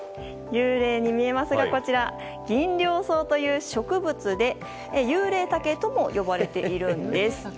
幽霊に見えますがギンリョウソウという植物でユウレイタケとも呼ばれているんです。